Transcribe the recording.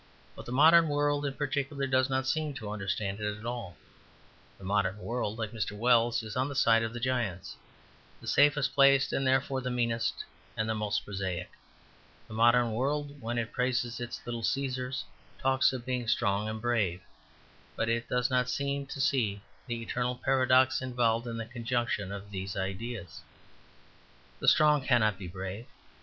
But the modern world in particular does not seem to understand it at all. The modern world, like Mr. Wells is on the side of the giants; the safest place, and therefore the meanest and the most prosaic. The modern world, when it praises its little Caesars, talks of being strong and brave: but it does not seem to see the eternal paradox involved in the conjunction of these ideas. The strong cannot be brave.